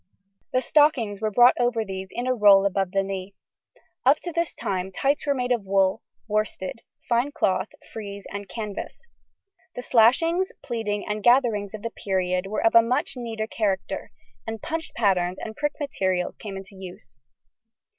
The stockings were brought over these in a roll above the knee. Up to this time tights were made of wool, worsted, fine cloth, frieze, and canvas. The slashings, pleating, and gatherings of the period were of a much neater character, and punched patterns and pricked materials came into use.